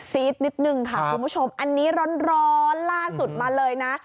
ซีดนิดนึงค่ะคุณผู้ชมอันนี้ร้อนล่าสุดมาเลยนะ